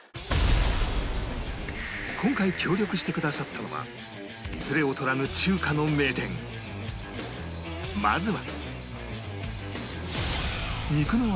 今回協力してくださったのはいずれ劣らぬまずは